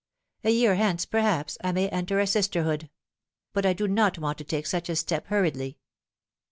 A year hence, perhaps, I may enter a sisterhood ; but I do not want to take such a step hurriedly."